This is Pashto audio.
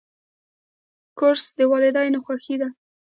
کورس د والدینو خوښي ده.